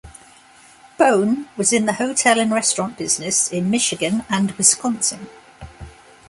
Bohn was in the hotel and restaurant business in Michigan and Wisconsin.